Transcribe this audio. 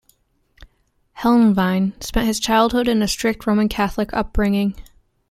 Helnwein spent his childhood in a strict Roman Catholic upbringing.